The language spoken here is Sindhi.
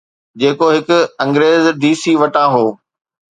جيڪو هڪ انگريز ڊي سي وٽان هو.